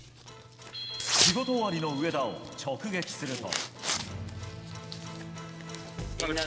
仕事終わりの上田を直撃すると。